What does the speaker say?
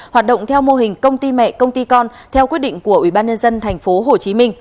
hoạt động theo mô hình công ty mẹ công ty con theo quyết định của ủy ban nhân dân tp hcm